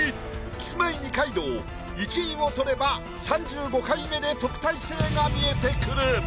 キスマイ二階堂１位を獲れば３５回目で特待生が見えてくる！